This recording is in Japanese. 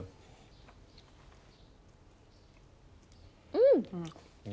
うん！